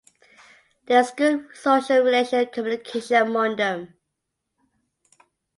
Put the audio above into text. There is good social relation and communication among them.